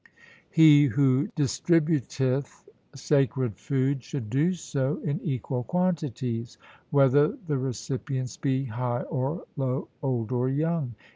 He who distributeth sacred food should do so in equal quantities, whether the recipients be high or low, old or young.